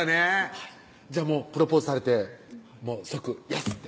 はいじゃあプロポーズされて即「イエス」って？